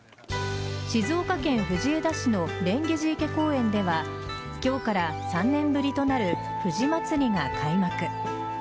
静岡県藤枝市の蓮華寺池公園では今日から３年ぶりとなる藤まつりが開幕。